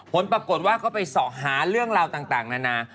ผลปรากฏว่าเขาไปเสาะหาเรื่องราวต่างนานา